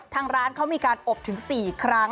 ทางร้านเขามีการอบถึง๔ครั้ง